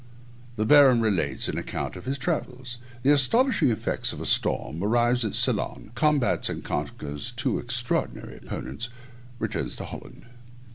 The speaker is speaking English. ] _The Baron relates an account of his first travels The astonishing effects of a storm Arrives at Ceylon; combats and conquers two extraordinary opponents Returns to Holland.